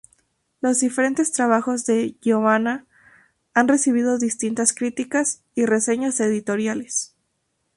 Los diferentes trabajos de Giovanna, han recibido distintas críticas y reseñas editoriales.